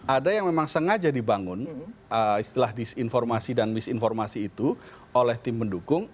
ada yang memang sengaja dibangun istilah disinformasi dan misinformasi itu oleh tim pendukung